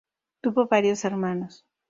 Tuvo varios hermanos.